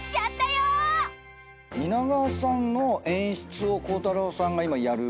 蜷川さんの演出を鋼太郎さんが今やる。